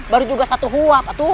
baru juga satu huwab